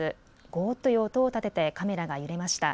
ゴーッという音を立ててカメラが揺れました。